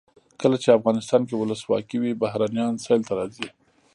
کله چې افغانستان کې ولسواکي وي بهرنیان سیل ته راځي.